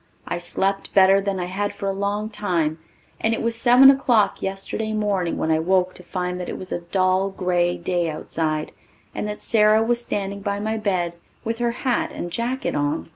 I slept better than I had for a long time, and it was seven o'clock yesterday morning when I woke to find that it was a dull grey day outside and that Sara was standing by my bed with her hat and jacket on.